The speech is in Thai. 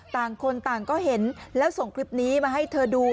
ต่างคนต่างก็เห็นแล้วส่งคลิปนี้มาให้เธอดู